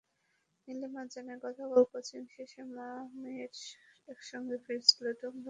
নীলিমা জানায়, গতকাল কোচিং শেষে মা-মেয়ে একসঙ্গে ফিরছিল ডেমরার রাজাখালী এলাকার বাসায়।